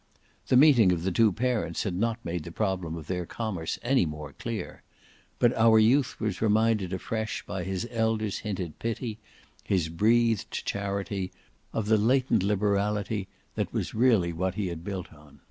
The meeting of the two parents had not made the problem of their commerce any more clear; but our youth was reminded afresh by his elder's hinted pity, his breathed charity, of the latent liberality that was really what he had built on.